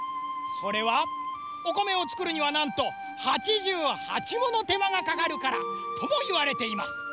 それはおこめをつくるにはなんと「はちじゅうはち」ものてまがかかるからともいわれています。